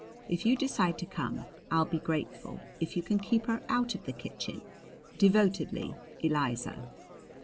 If you decide to come I'll be grateful if you can keep her out of the kitchen. Devotedly, ELIZA.